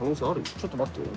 ちょっと待って。